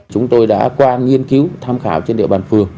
chúng tôi đã qua nghiên cứu tham khảo trên địa bàn phường